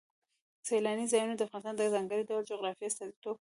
سیلانی ځایونه د افغانستان د ځانګړي ډول جغرافیه استازیتوب کوي.